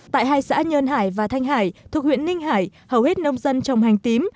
tại hai xã nhơn hải và thanh hải thuộc huyện ninh hải hầu hết nông dân trồng hành tím